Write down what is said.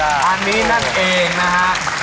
อันนี้นั่นเองนะฮะ